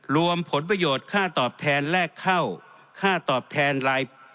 รวมผลประโยชน์ค่าตอบแทนแรกเข้า